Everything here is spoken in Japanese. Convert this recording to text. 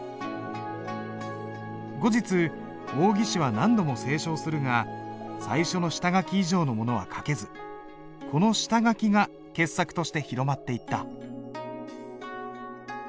後日王羲之は何度も清書をするが最初の下書き以上のものは書けずこの下書きが傑作として広まっていった。